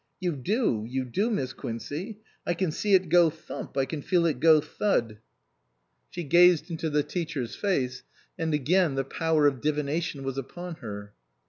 " You do, you do, Miss Quincey ; I can see it go thump, I can feel it go thud !" 295 SUPERSEDED She gazed into the teacher's face, and again the power of divination was upon her.